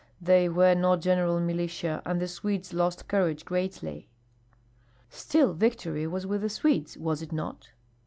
They were not general militia, and the Swedes lost courage greatly." "Still victory was with the Swedes, was it not?"